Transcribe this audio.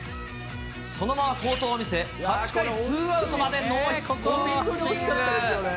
そのまま好投を見せ、８回ツーアウトまでノーヒットのピッチング。